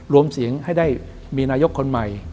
รวมเสียงให้ได้มีนายกคนใหม่